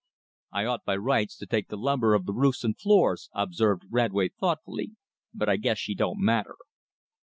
"I ought by rights to take the lumber of the roofs and floors," observed Radway thoughtfully, "but I guess she don't matter."